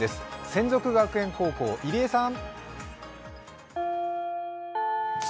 洗足学園高校・入江さん。